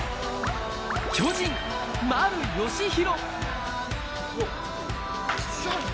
巨人、丸佳浩。